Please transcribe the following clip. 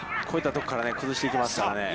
こういったところから崩していきますからね。